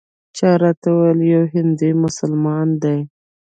چا راته وویل یو هندي مسلمان دی.